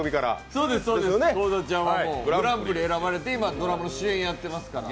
そうです、グランプリに選ばれて今ドラマの主演やってますから。